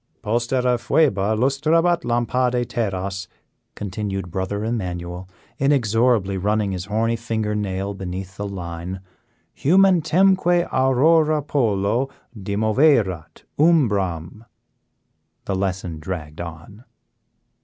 "Postera Phoeba lustrabat lampade terras," continued Brother Emmanuel, inexorably running his horny finger nail beneath the line, "humentemque Aurora polo dimoverat umbram " the lesson dragged along.